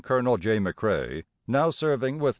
Colonel J. McCrae, now serving with No.